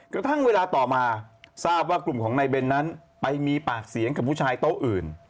กระทั่งเวลาต่อมาทราบว่ากลุ่มของนายเบนนั้นไปมีปากเสียงกับผู้ชายโต๊ะอื่น